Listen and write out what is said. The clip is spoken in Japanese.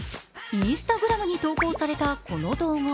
Ｉｎｓｔａｇｒａｍに投稿されたこの動画。